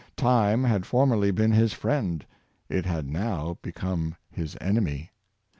Time had formerly been his friend; it had now become his enemy.